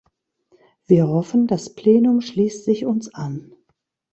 Wir hoffen, das Plenum schließt sich uns an.